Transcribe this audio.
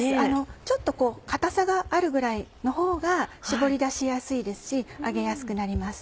ちょっと固さがあるぐらいのほうが絞り出しやすいですし揚げやすくなります。